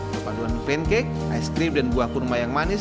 perpaduan pancake ice cream dan buah kurma yang manis